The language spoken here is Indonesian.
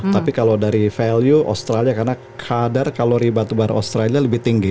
tapi kalau dari value australia karena kadar kalau riba batubara australia lebih tinggi